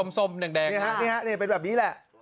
นี่ครับเป็นแบบนี้แหละ